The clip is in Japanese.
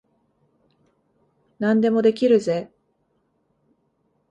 何でもできるぜ。